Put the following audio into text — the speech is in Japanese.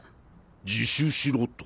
自首しろと？